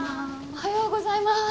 おはようございます。